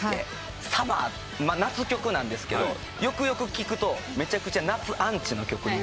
「サマー」夏曲なんですけどよくよく聴くとめちゃくちゃ夏アンチの曲になってて。